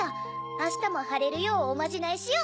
あしたもはれるようおまじないしよ！